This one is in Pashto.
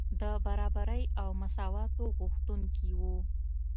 د برابرۍ او مساواتو غوښتونکي وو.